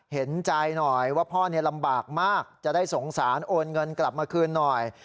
เห็นใจหน่อยว่าพ่อลำบากมากจะได้สงสารโอนเงินกลับมาคืนหน่อย